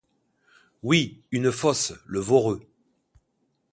Oui, une fosse, le Voreux.